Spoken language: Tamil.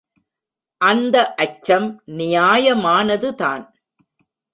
அந்த அச்சம் நியாயமானதுதான்.